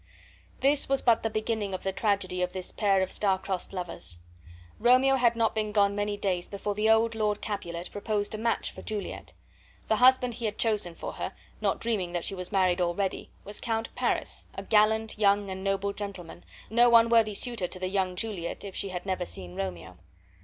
This was but the beginning of the tragedy of this pair of star crossed lovers. Romeo had not been gone many days before the old Lord Capulet proposed a match for Juliet. The husband he had chosen for her, not dreaming that she was married already, was Count Paris, a gallant, young, and noble gentleman, no unworthy suitor to the young Juliet if she had never seen Romeo.